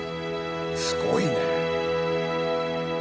すごいねえ。